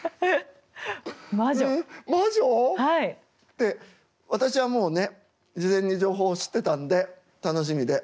って私はもうね事前に情報を知ってたんで楽しみで。